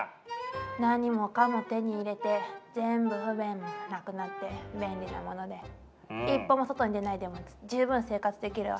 何もかも手に入れて全部不便もなくなって便利なもので一歩も外に出ないでも十分生活できるわ。